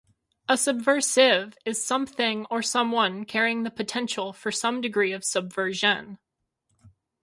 A subversive is something or someone carrying the potential for some degree of subversion.